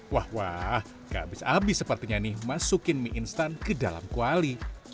satu dua tiga wah wah gak abis abis sepertinya nih masukin mie instan ke dalam kuali